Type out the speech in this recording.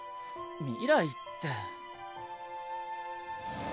未来って。